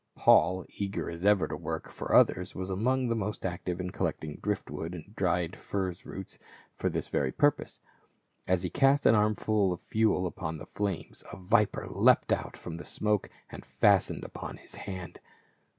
Paul, eager as ever to work for others, was among the most active in collecting drift wood and dried furze roots for this purpose. As he cast an armful of fuel upon the flames a viper leapt out from the smoke and fastened upon his hand.